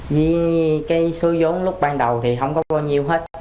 vì cái số giống lúc ban đầu thì không có bao nhiêu hết